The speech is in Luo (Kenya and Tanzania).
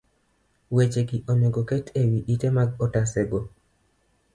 Wechegi onego oket e wi ite mag otasego